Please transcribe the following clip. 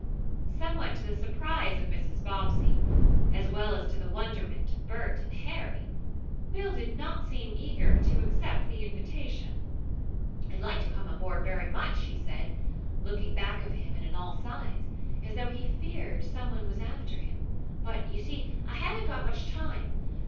Somewhat to the surprise of Mrs. Bobbsey, as well as to the wonderment of Bert and Harry, Will did not seem eager to accept the invitation. "I'd like to come on board, very much," he said, looking back of him, and on all sides, as though he feared some one was after him. "But you see I haven't got much time.